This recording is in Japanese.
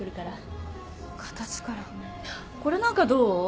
あっこれなんかどう？